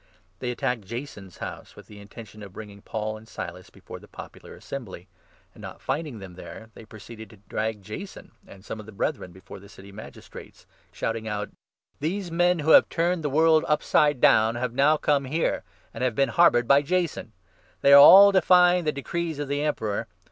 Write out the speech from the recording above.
They attacked Jason's house, with the intention of bringing Paul and Silas before the Popular Assembly ; and, 6 not finding them there, they proceeded to drag Jason and some of the Brethren before the City Magistrates, shouting out : "These men, who have turned the world upside down, have now come here, and have been harboured by Jason ! They are 7 all defying the decrees of the Emperor.